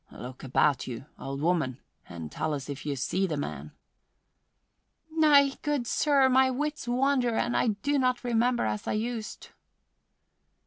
"Look about you, old woman, and tell us if you see the man." "Nay, good sir, my wits wander and I do not remember as I used."